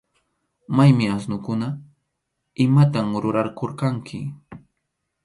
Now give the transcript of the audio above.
¿Maymi asnukuna? ¿Imatam rurarqurqanki?